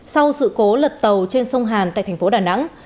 sau sự cố lật tàu trên sông hàn tại thành phố đà nẵng